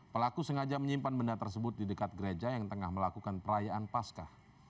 pelaku sengaja menyimpan benda tersebut di dekat gereja yang tengah melakukan perayaan pasca